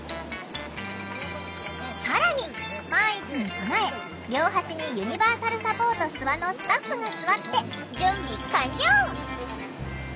更に万一に備え両端に「ユニバーサルサポートすわ」のスタッフが座って準備完了！